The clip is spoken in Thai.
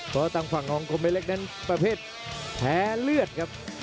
เพราะทางฝั่งของคมไม่เล็กนั้นประเภทแพ้เลือดครับ